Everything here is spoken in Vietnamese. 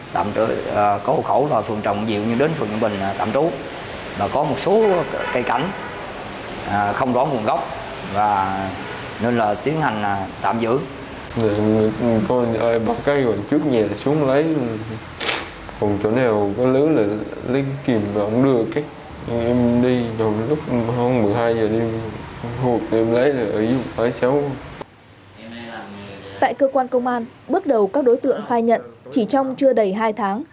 tại cơ quan công an bước đầu các đối tượng khai nhận chỉ trong trưa đầy hai tháng